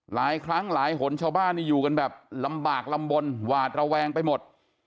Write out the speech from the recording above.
หลายครั้งหลายหนชาวบ้านนี่อยู่กันแบบลำบากลำบลหวาดระแวงไปหมด